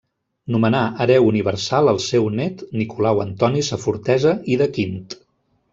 Nomenà hereu universal el seu nét Nicolau Antoni Safortesa i de Quint.